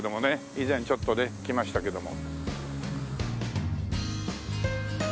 以前ちょっとね来ましたけども。